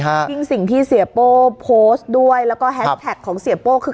ยิ่งสิ่งที่เสียโป้โพสต์ด้วยแล้วก็แฮชแท็กของเสียโป้คือ